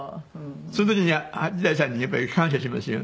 その時に八大さんにやっぱり感謝しますよ。